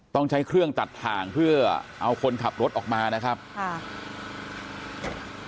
ต้องใช้เครื่องตัดถ่างเพื่อเอาคนขับรถออกมานะครับค่ะ